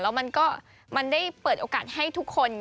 แล้วมันก็มันได้เปิดโอกาสให้ทุกคน